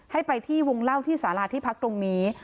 ให้ไปที่วงเล่าที่สาราที่พักตรงนี้